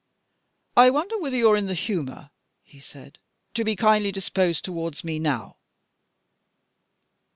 "I wonder whether you're in the humour," he said, "to be kindly disposed towards me now?"